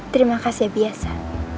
terima kasih biasa